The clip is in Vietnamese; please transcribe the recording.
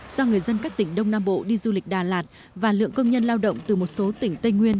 do người dân các tỉnh đông nam bộ đi du lịch đà lạt và lượng công nhân lao động từ một số tỉnh tây nguyên